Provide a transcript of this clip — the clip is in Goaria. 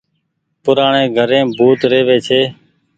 پورآڻي گهريم ڀوت ريوي ڇي۔